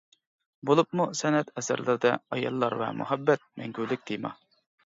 بولۇپمۇ سەنئەت ئەسەرلىرىدە ئاياللار ۋە مۇھەببەت مەڭگۈلۈك تېما.